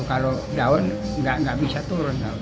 kalau daun nggak bisa turun